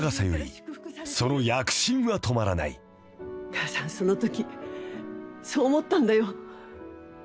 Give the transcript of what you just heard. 母さんそのときそう思ったんだよ。